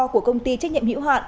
của công ty trách nhiệm hữu hạn